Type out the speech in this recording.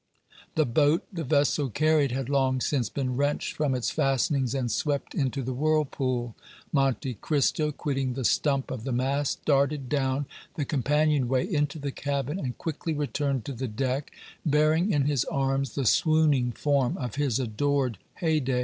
The boat the vessel carried had long since been wrenched from its fastenings and swept into the whirlpool. Monte Cristo, quitting the stump of the mast, darted down the companion way into the cabin, and quickly returned to the deck bearing in his arms the swooning form of his adored Haydée.